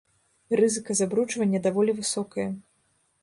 Рызыка забруджвання даволі высокая.